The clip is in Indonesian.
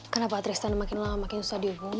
kenapa atreks tanda makin lama makin susah dihubungin ya